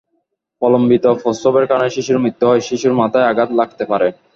প্রলম্বিত প্রসবের কারণে শিশুর মৃত্যু হয়, শিশুর মাথায় আঘাত লাগতে পারে।